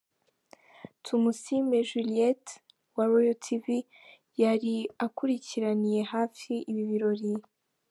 Tumusiime Juliet wa Royal Tv yari akurikiraniye hafi ibi birori.